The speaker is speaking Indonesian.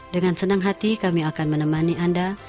dengan senang hati kami akan menemani anda